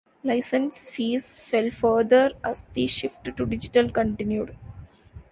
Licence fees fell further as the shift to digital continued.